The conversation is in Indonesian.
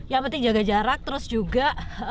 yang penting jaga jarak terus juga